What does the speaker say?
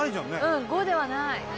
うん５ではない。